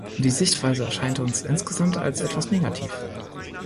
Die Sichtweise erscheint uns insgesamt als etwas negativ.